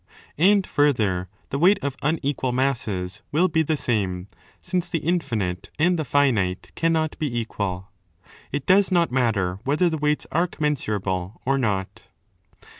And, further, the weight of unequal masses will be the same, since the infinite and the finite cannot be equal. It does not matter whether the τὸ weights are commensurable or not.